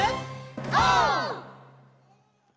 オー！